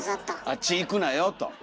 あっち行くなよと。